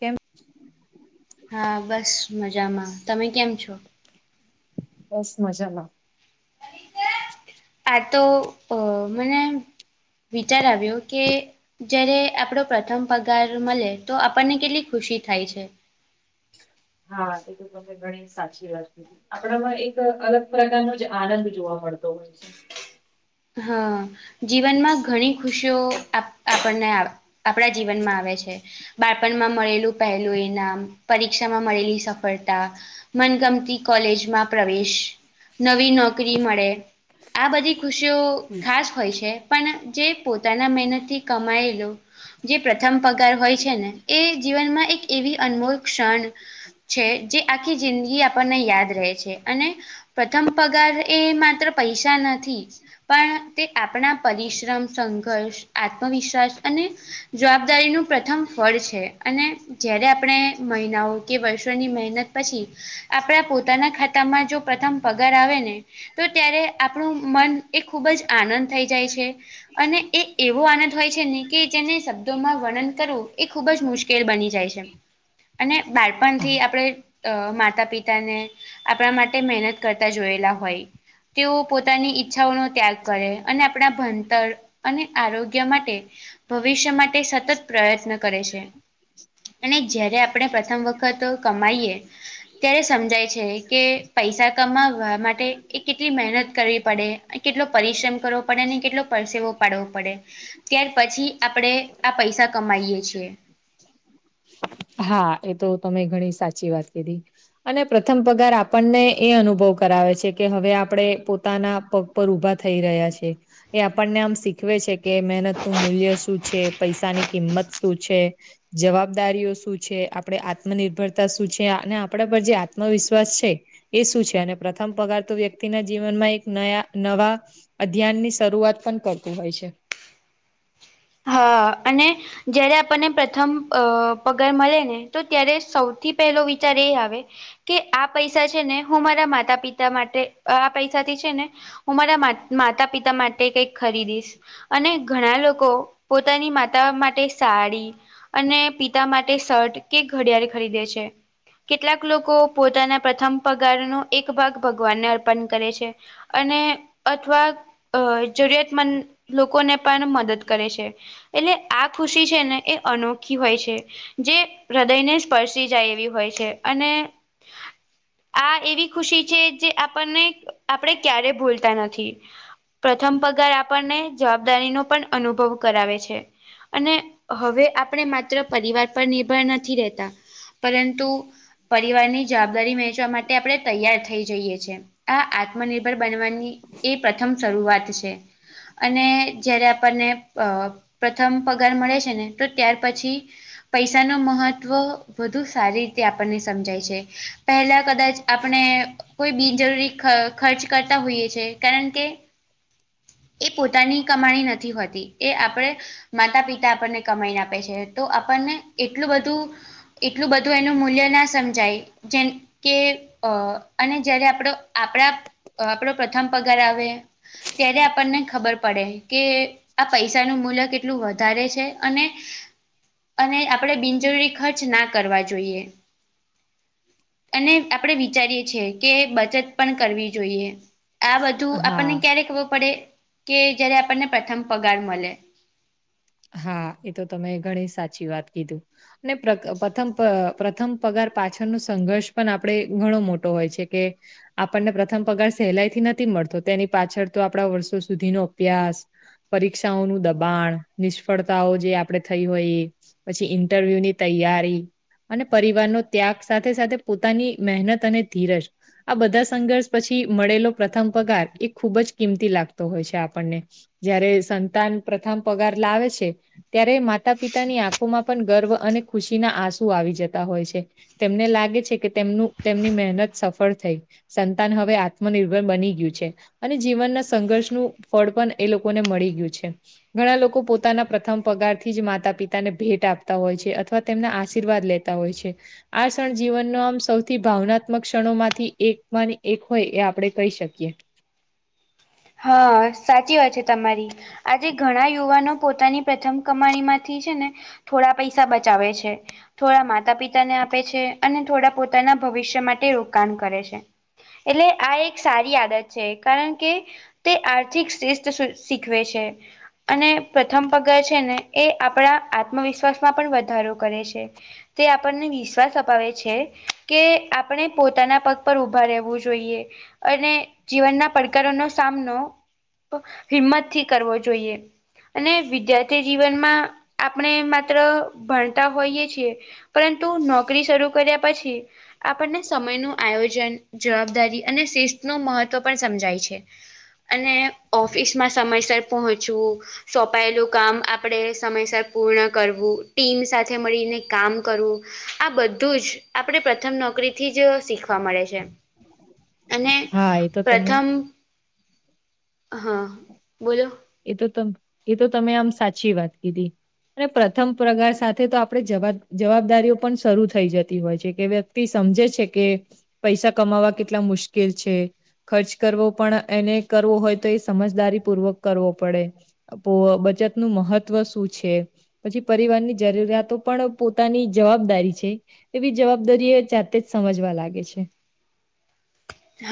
કેમ? હા બસ મજામાં. તમે કેમ છો? બસ મજામાં. આતો અ મને વિચાર આવ્યો કે જ્યારે આપણો પ્રથમ પગાર મલે તો આપણને કેટલી ખુશી થાય છે. હા એતો તમેં ઘણી સાચી વાત કીધી. આપણામાં એક અલગ પ્રકારનો જ આનંદ જોવા મળતો હોય છે. હહ જીવનમાં ઘણી ખુશીઓ આપ આપણને આવે. આપણા જીવનમાં આવે છે. બાળપણમાં મળેલું પહેલું ઇનામ, પરીક્ષામાં મળેલી સફળતા. મનગમતી કોલેજમાં પ્રવેશ, નવી નોકરી મળે. આ બધી ખુ શીઓ ખાસ હોય છે. પણ જે પોતાના મહેનતથી કમાયેલુ જે પ્રથમ પગાર હોય છે ને એ જીવનમાં એક એવી અનમોલ ક્ષણ છે. જે આખી જિંદગી આપણને યાદ રહે છે. અને પ્રથમ પગાર એ માત્ર પૈસા નથી. પણ તે આપણા પરિશ્રમ, સંઘર્ષ, આત્મવિશ્વાસ, અને જવાબદારીનું પ્રથમ ફળ છે. અને જ્યારે આપણે મહિનાઓ કે વર્ષોની મહેનત પછી આપણા પોતાના ખાતામાં. જો પ્રથમ પગાર આવે તો ત્યારે આપણું મન એ ખૂબ જ આનંદ થઈ જાય છે. અને એ એવો આનંદ હોય છે. ને કે જેને શબ્દોમાં વર્ણન કરવું. એ ખુબ જ મુશ્કેલ શ્કેલ બની જાય છે. અને બાળપણથી આપણે માતા પિતાને આપણા માટે મહેનત કરતા જોયેલા હોય તેઓ પોતાની. ઈચ્છાઓ નો ત્યાગ કરે. અને આપણા ભણતર અને આરોગ્ય માટે ભવિષ્ય માટે સતત પ્રયત્ન કરે છે. અને જયારે આપણે પ્રથમ વખત કમાઈએ ત્યારે સમજાય છે. કે પૈસા કમાવા માટે એ કેટલી મહેનત કરવી પડે. કેટલો પરિશ્રમ કરવો પડે. અને કેટલો પરસેવો પાડવો પડે ત્યાર પછી આપણેે આ પૈસા કમાઈએ છીએ. હા એ તો તમે ઘણી સાચી વાત કીધી. અને પ્રથમ પગાર આપણને એ અનુભવ કરાવે છે. કે હવે આપણે પોતાના પગ પગ ઉભા થઈ રહ્યા છે. એ આપણને આમ શીખવે છે. કે મહેનત નું મૂલ્ય શું છે. પૈસાની કિંમત શું છે. જવાબદારીઓ શું શું છે આપણે આત્મનિર્ભરતા શું છે. અને આપણા પર જે આત્મવિશ્વાસ છે એ શું છે. અને પ્રથમ પગાર તો વ્યક્તિના જીવનમાં એક નયા નવા અધ્યાન ની શરૂઆત પણ કરતું હોય છે. હા.. અને જયારે આપણને પ્રથમ અ પગાર મળે. ને તો ત્યારે સૌથી પહેલો વિચાર એ આવે કે આ પૈસા છે. ને હું મારા માતા પિતા માટે આ પૈસા થી છે ને હું મારા માતા પિતા માટે કઈક ખરીદીશ અને ઘણા લોકો પોતાની માતા માટે સાડી. અને પિતા માટે શર્ટ કે ઘડિયાળ ખરીદે છે. કેટલાક લોકો પોતાના પ્રથમ પગારનો એક ભાગ ભગવાનને અર્પણ કરે છે. અને અથવા અ જરૂરિયાત મંદ લોકોને પણ મદદ કરે છે. એન આ ખુશી છે. ને, એ અનોખી હોય છે. જે હૃદયને સ્પર્શી જાય એવી હોય છે. અને આ એવી ખુશી છે. જે આપણને આપણે ક્યારે ભૂલતા નથી. પ્રથમ પગાર આપરને જવાબદારી નો પણ અનુભવ. કરાવે છે. અને હવે આપણે માત્ર પરિવાર પર નિર્ભર નથી રહેતા, પરંતુ પરિવારની જવાબદારી વહેચવા માટે આપણે તૈયાર થઈ જઈએ છીએ. આ આત્મનિર્ભર બનવાની એ પ્રથમ શરૂઆત છે. અને જયારે આપણને અ પ્રથમ પગાર મળે છે. ને તો ત્યાર પછી, પૈસા નો મહત્ત્વ વધુ સારી રીતે આપણને સમજાય છે. પહેલા કદાચ. આપણે કોઈ બિન જરૂરી ખર્ચ કરતા હોઈએ છે. કારણ કે કે પોતાની કમાણી નથી હોતી. એ આપણે માતા-પિતા આપણને કમાઈને આપે છે. તો આપણને એટલું બધું. એટલું બધું એનું મૂલ્ય ના સમજાય. જે ને કે અ અને જ્યારે આપણો આપણા આપણો પ્રથમ પગાર આવે. ત્યારે આપણને ખબર પડે. કે એ આ પૈસાનું મૂલ્ય કેટલું વધારે છે. અને અને આપણેે બિન જરૂરી ખર્ચ ના કરવા જોઈએ. અને આપણે વિચારીએ છીએ. કે બચત પણ કરવી જોઈએ. આ બધું આપણને હા ક્યારે ખબર પડે કે જયારે આપણને પ્રથમ પગાર મલે. હા એ તો તમે ઘણી સાચી વાત કીધું. ને પ્રગ-પ્રથમ પ પ્રથમ પગાર પાછળનો સંઘર્ષ પણ આપડી ઘણો મોટો હોય છે કે આપણને પ્રથમ પગાર સહેલાઈ થી નથી મળતો, તેની પાછળ તો આપડા વર્ષો સુધીનો અભ્યાસ પરીક્ષાઓનું દબાણ નિષ્ફળતાઓ જે આપડે થઈ હોય એ પછી ઈન્ટરવ્યુ ની તૈયારી અને પરિવારનો ત્યાગ સાથે-સાથે પોતાની મહેનત અને ધીરજ. આ બધા સંઘર્ષ પછી મળેલો પ્રથમ પગાર એ ખૂબ જ કિંમતી લાગતો હોય છે આપણને. જયારે સંતાન પ્રથમ પગાર લાવે છે ત્યારે માતા-પિતાની આંખોમાં પણ ગર્વ અને ખુશીના આંસુ આવી જતા હોય છે. તેમને લાગે છે કે, તેમનું તેમની મહેનત સફળ થઈ. સંતાન હવે આત્મનિર્ભર બની ગયું છે. અને જીવનના સંઘર્ષનું ફળ પણ એ લોકોને મળી ગયું છે. ઘણા લોક કો પોતાના પ્રથમ પગારથી જ માતા પિતાને ભેટ આપતા હોય છે અથવા તેમના આશીર્વાદ લેતા હોય છે. આ ક્ષણ જીવનનો આમ, સૌથી ભાવનાત્મક ક્ષણો માંથી એક માં નો એક હોય એ આપડે કહી શકીએ. હ સાચી વાત છે તમારી. આજે ઘણા યુવાનો પોતાની પ્રથમ કમાણી માંથી છે ને થોડા પૈસા બચાવે છે. થોડા માતા પિતાને આપે છે અને થોડા પોતાના ભવિષ્ય માટે રોકાણ કરે છે. એટલે આ એક સારી આદત છે. કારણ કે તે આર્થિક શ્રેસ્ઠશું શીખવે છે. અને પ્રથમ પગાર છે ને એ આપડા આત્મવિશ્વાસમાં પણ વધારો કરે છે. તે આપણને વિશ્વાસ અપાવે છે. કે આપણે પોતાના પગ પર ઊભા રહેવું જોઈએ. અને જીવનના પડકાર નો સામ નો તો હિંમત થી કરવો જોઈએ. અને વિદ્યાર્થી જીવનમાં આપણે માત્ર ભણતા હોઈય છીએ. પરંતુ નોકરી શરૂ કર્યા પછી આપણને સમયનું આયોજન જવાબદારી અને શિસ્ત નું મહત્ત્વ પણ સમજાય છે. અને ઓફિસમાં સમયસર પહોંચવું સોંપાયેલું કામ આપડે સમયસર પૂર્ણ કરવું ટીમ સાથે મળીને કામ કરવું આ બધું જ આપડે પ્રથમ નોકરીથી જ શીખવા મળે છે. અને હા એ તો તમે પ્રથમ હા બોલો. એ તો ત એ તો તમે આમ સાચી વાત કીધી. અને પ્રથમ પ્રગાર સાથે તો આપડે જવાબ જવાબદરિયો પણ શરૂ થઈ જતી હોય છે કે તે સમજે છેકે પૈસા કમાવા કેટલા મુશ્કેલ છે. ખર્ચ કરવો પણ એને કરવો હોય તો એ સમજદારી પૂર્વક કરવો પડે. પો બચતનું મહત્વ શું છે? પછી પરિવારની જરૂરિયાતો પણ પોતાની જવાબદારી છે. એવી જવાબદારી એ જાતે જ સમજવા લાગે છે.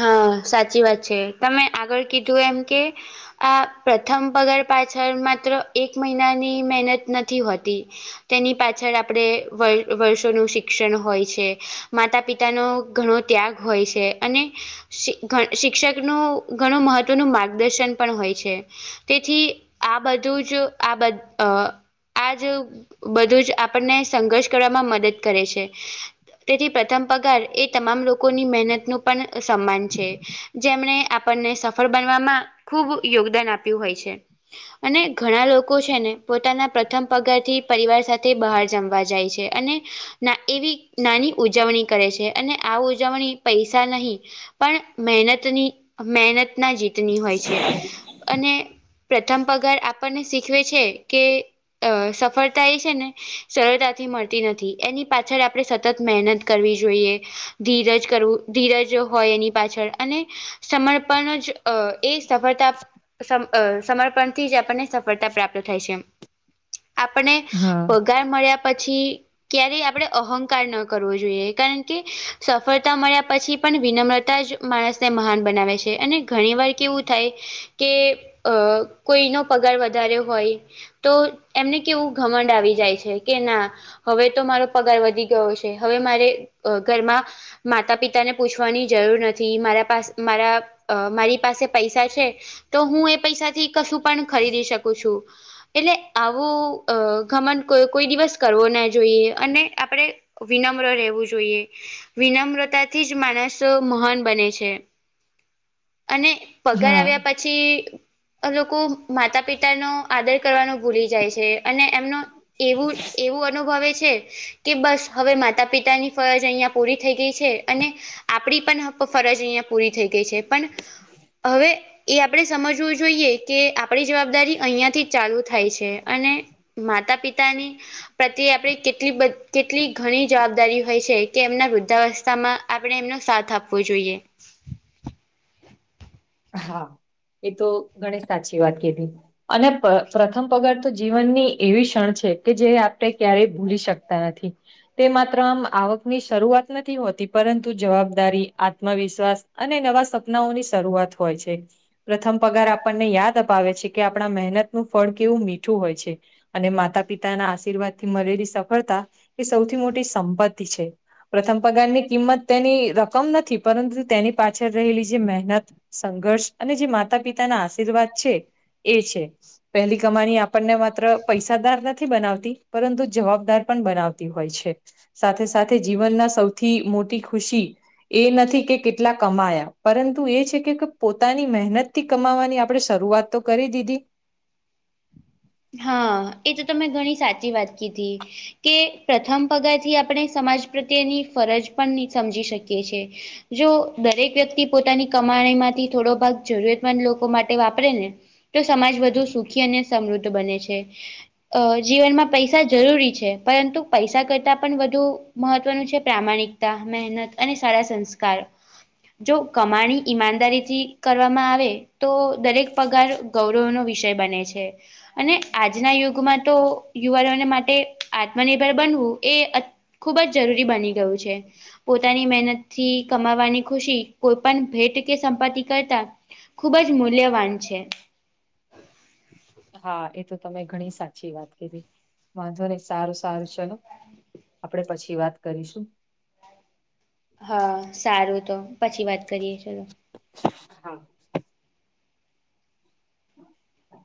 હા સાચી વાત છે. તમે આગળ કીધું એમ કે આ પ્રથમ પગાર પાછળ માત્ર એક મહિનાની મહેનત નથી હોતી. તેની પાછળ આપડે વર વર્ષોનું શિક્ષણ હોય છે. માતા પિ હેલો ઘણો ત્યાગ હોય છે. અને શિક્ષકનું ઘણું મહત્વનું માર્ગદર્શન પણ હોય છે. તેથી આ બધું જ આ બ અ આજ બધું જ આપણને સંઘર્ષ કરવામાં મદદ કરે છે. તેથી પ્રથમ પગાર એ તમામ લોકોની મહેનત નું પણ સન્માન છે. જેમણે આપણને સફળ બનવામાં ખૂબ યોગદાન આપ્યું હોય છે. અને ઘણા લોકો છે ને પોતાના પ્રથમ પગારથી પરિવાર સાથે બહાર જમવા જાય છે. અને એવી નાની ઉજવણી કરે છે અને આ ઉજવણી પૈસા નહી પણ મહેનતની મહેનતના જ ની હોય છે અને પ્રથમ પગાર આપણને શીખવે છે કે અ સફળતા એ છે ને સરળતાથી મળતી નથી એની પાછળ આપડે સતત મહેનત કરવી જોઈએ ધીરજ કરવું ધીરજ હોય એની પાછળ અને સમર્પણ જ અ એ સફળતા સ અ સમર્પણથી જ આપણને સફળતા પ્રાપ્ત થાય છે આપને અ હા. પગાર મળ્યા પછી ક્યારે આપણે અહં ના કરવો જોઈએ કારણ કે સફળતા મળ્યા પછી પણ વિનમ્રતા જ માણસને મહાન બનાવે છે અને ઘણી વાર કેવું થાય કે અ કોઈનો પગાર વધારે હોય તો એમણે કેવું ઘમંડ આવી જાય છે કે ના હવે તો મારો પગાર વધી ગયો છે હવે મારે ઘરમાં માતા પિતા તાને પૂછવાની જરૂર નથી મારા પા મારા મારી પાસે પૈસા છે તો હું એ પૈસા થી કશું પણ ખરીદી શકું છું. એટલે આવું ઘમન કોઈ દિવસ કરવો ના જોઈએ અને આપણે વિનમ્ર રહેવું જોઈએ વિનમ્રતા થી જ માણસ મહાન બને છે અને પગાર હા. આવ્યા પછી પછી લોકો માતા પિતા નો આદર કરવાનું ભૂલી જાય છે અને એમનો એવું એવું અનુભવે છે. કે બસ હવે માતા પિતાની ફરજ પૂરી થઈ ગઈ છે. અને આપણી પણ ફરજ અહીયાં પૂરી થઈ ગઈ છે પણ હવે એ આપણે સમજવું જોઈએ કે આપણી જવાબદારી અહીંયાથી જ ચાલુ થાય છે અને માતા પિતા ની પ્રત્યે આપણે કેટલી કેટલી ઘણી જવાબદારી હોય છે કે એમના વૃદ્ધાસ માં એમનો સાથ આપવો જોઈએ. હા એ તો ગણેશ સાચી વાત કીધી અને પ્રથમ પગાર તો જીવનની એવી ક્ષણ છે કે જે આપણે ક્યારેય ભૂલી શકતા નથી. તે માત્ર આમ આવકની શરૂઆત નથી હોતી પરંતુ જવાબદારી આત્મવિશ્વાસ અને નવા સપનાઓની શરૂઆત હોય છે. પ્રથમ પગાર આપણને યાદ અપાવે છે કે આપણા મહેનત નું ફળ કેવું મીઠું હોય છે. અને માતા પિતાના આશીર્વાદ થી મળેલી સફળતા એ સૌથી મોટી સંપત્તિ છે. પ્રથમ પગારની કિંમત તેની રકમ નથી પરંતુ તેની પાછળ રહેલી જે સંઘર્ષ અને જે માતા પિતાના આશીર્વાદ છે એ છે. પહેલી કમાની આપણને માત્ર પૈસાદાર નથી બનાવતી પરંતુ જવાબદાર પણ બનાવતી હોય છે. સાથે સાથે જીવનના સૌથી મોટી ખુશી એ નથી કે કેટલા કમાયા પરંતુ એ છે. એક પોતાની મહેનત થી કમાવવાની આપણે શરૂઆત તો કરી દીધી. હા. એ તો તમે ઘણી સાચી વાત કીધી. કે પ્રથમ પગારથી આપણે સમાજ પ્રત્યેની ફરજ પણ ની સમજી શકીએ છે. જો દરેક વ્યક્તિ પોતાની કમાણી માંથી થોડો ભાગ જરૂરતમંદ લોકો માટે વાપરે ને તો સમાજ વધુ સુખી અને સમૃદ્ધ બને છે. અહ જીવનમાં પૈસા જરૂરી છે. પરંતુ પૈસા કરતાં પન વધુ મહત્વનું છે પ્રામાણિકતા, મહેનત અને સારા સંસ્કાર. જો કમાણી ઈમાનદારીથી કરવામાં આવે તો દરેક પગાર ગૌરવનો વિષય બને છે. અને આજના યુગમાં તો યુવાનોને માટે આત્મનિર્ભર બનવું એ અત ખુબ જ જરૂરી બની ગયું છે. પોતાની મહેનત થી કમાવાની ખુશી કોઈ પણ ભેટ કે સંપત્તિ કરતા ખુબ જ મૂલ્યવાન છે. હા. એ તો તમે ઘણી સાચી વાત કીધી. વાંધો નહીં. સારું-સારું ચલો. આપણે પછી વાત કરીશું. હા, સારું તો. પછી વાત કરીએ ચલો. હા. [inaudible]